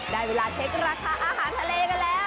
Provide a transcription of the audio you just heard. ได้เวลาเช็คราคาอาหารทะเลกันแล้ว